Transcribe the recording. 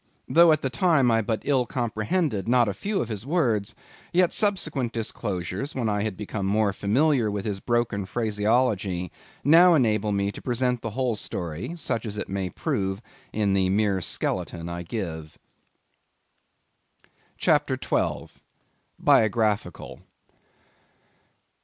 Though at the time I but ill comprehended not a few of his words, yet subsequent disclosures, when I had become more familiar with his broken phraseology, now enable me to present the whole story such as it may prove in the mere skeleton I give. CHAPTER 12. Biographical.